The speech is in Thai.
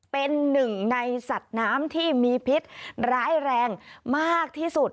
เป็นหนึ่งในสัตว์น้ำที่มีพิษร้ายแรงมากที่สุด